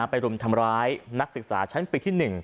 รุมทำร้ายนักศึกษาชั้นปีที่๑